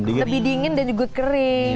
lebih dingin dan juga kering